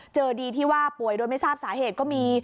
เจอดีที่ว่าป่วยโดยไม่ทราบสาเหตุก็มี